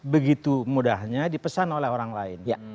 begitu mudahnya dipesan oleh orang lain